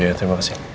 iya terima kasih